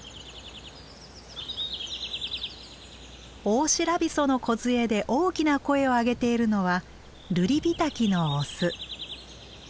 オオシラビソのこずえで大きな声を上げているのはルリビタキのオス。